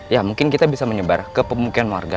ya mungkin kita bisa menyebar ke pemukiman warga